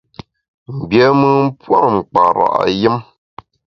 Mgbiémùn pua’ mkpara’ yùm.